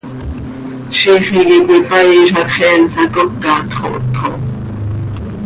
¡Ziix iiqui cöipaii zo hacx he nsacócatx xo!